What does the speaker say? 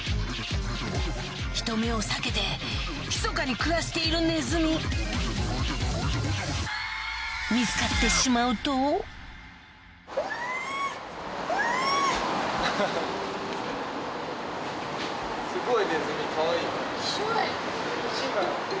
人目を避けてひそかに暮らしているネズミ見つかってしまうとすごいネズミかわいい。